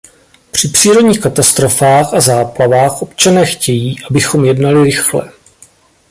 Při přírodních katastrofách a záplavách občané chtějí, abychom jednali rychle.